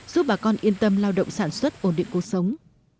giúp bà con yên tâm lao động sản xuất ổn định cuộc sống